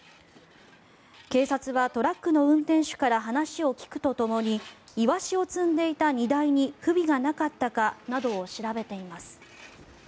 警察はトラックの運転手から話を聞くとともにイワシを積んでいた荷台に不備がなかったかなどを調べています。